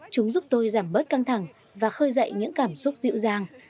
chúng giúp tôi giảm bớt căng thẳng và khơi dậy những cảm xúc dịu dàng